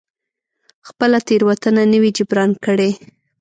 خپله تېروتنه نه وي جبران کړې.